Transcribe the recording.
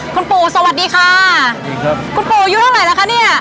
คนปู่สวัสดีค่ะสวัสดีครับคุณปู่ยืนเท่าไรล่ะคะเนี้ย